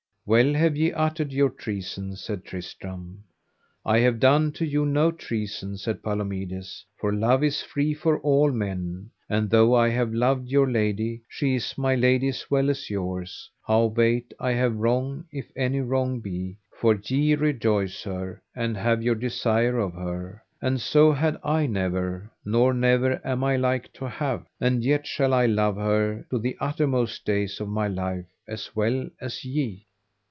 Well have ye uttered your treason, said Tristram. I have done to you no treason, said Palomides, for love is free for all men, and though I have loved your lady, she is my lady as well as yours; howbeit I have wrong if any wrong be, for ye rejoice her, and have your desire of her, and so had I never nor never am like to have, and yet shall I love her to the uttermost days of my life as well as ye.